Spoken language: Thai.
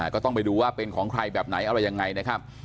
ก็ต้องไปดูว่าเป็นของใครแบบไหนอะไรยังไงนะครับ